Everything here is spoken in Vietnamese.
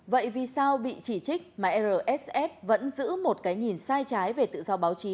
vậy vì sao bị chỉ trích mà rsf vẫn giữ một cái nhìn sai trái về tự do báo chí